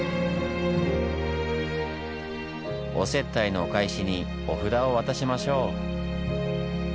お接待のお返しにお札を渡しましょう。